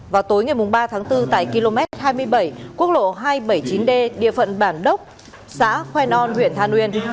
vào tối ngày ba tháng bốn tại km hai mươi bảy quốc lộ hai trăm bảy mươi chín d địa phận bản đốc xã khoe non huyện than uyên